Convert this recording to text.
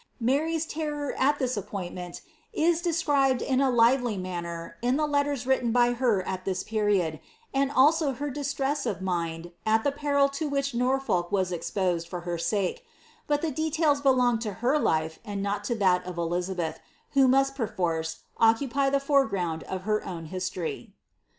Mary's terror at this appointment is described in a lively manner in the letters written by her at this period, and also her distress of mind at the peril to which Norfolk was exposed for her sake ;' but the details belong to her life, and not to thai of Elizabeth, who must perforce, occupy the foreground of her owa history.